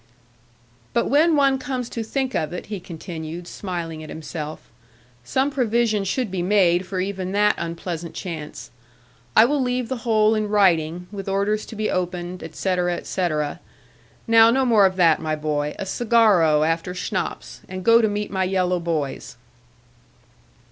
'But when one comes to think of it,' he continued, smiling at himself; 'some provision should be made for even that unpleasant chance. I will leave the whole in writing, with orders to be opened, etc., etc. Now no more of that, my boy; a cigarro after schnapps, and go to meet my yellow boys.'